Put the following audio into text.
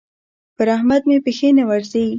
پر احمد مې پښې نه ورځي.